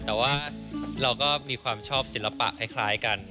แต่ว่าเราก็มีความชอบศิลปะคล้ายกัน